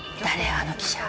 あの記者。